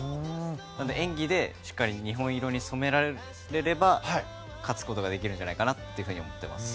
なので、演技でしっかり日本色に染められれば勝つことができるんじゃないかと思っています。